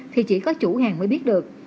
thì chỉ có chủ hàng mới biết được